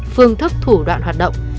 phương thức thủ đoạn hoạt động